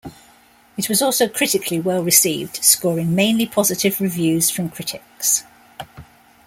It was also critically well-received, scoring mainly positive reviews from critics.